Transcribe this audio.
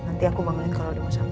nanti aku bangunin kalau dia mau sampai